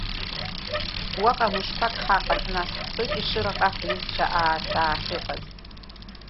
Уаҟа мышқәак ҳаҟан, нас ҳцоит Ешыраҟа ҳҩызцәа аацаа ахьыҟаз.